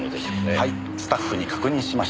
はいスタッフに確認しました。